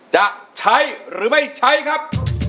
จะใช้หรือไม่ใช้ครับ